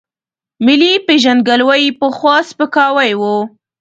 ملي پېژندګلوۍ پخوا سپکاوی و.